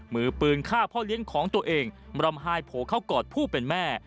มือปืนฆ่าพ่อเลี้ยงของตัวเองรำไฮโผล่เข้ากอดผู้เป็นแม่